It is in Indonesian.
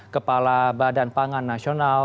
kepala badan pangan nasional